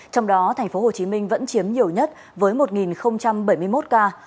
trong đó tp hcm vẫn chiếm nhiều nhất với một bảy mươi một ca